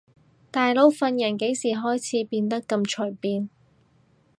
大佬份人幾時開始變得咁隨便